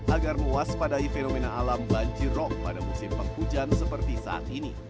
agar muas padai fenomena alam banjirok pada musim penghujan seperti saat ini